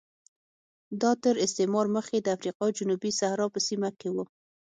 دا تر استعمار مخکې د افریقا جنوبي صحرا په سیمه کې و